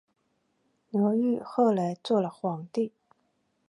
刘裕后来做了皇帝。